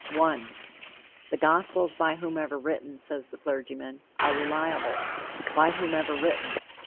"The Gospels, by whomever written," says the clergyman, "are reliable." By whomever written!